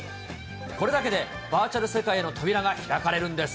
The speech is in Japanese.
これだけでバーチャル世界への扉が開かれるんです。